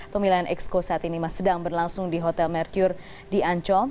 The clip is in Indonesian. pemilihan exco saat ini sedang berlangsung di hotel merkur di ancol